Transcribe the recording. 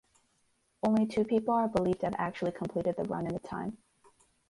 Only two people are believed to have actually completed the run in the time.